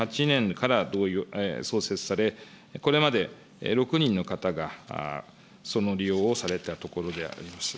これは平成２８年から創設され、これまで６人の方がその利用をされたところであります。